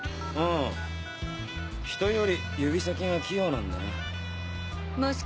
ああ他人より指先が器用なんでな。